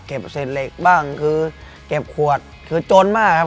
เศษเหล็กบ้างคือเก็บขวดคือจนมากครับ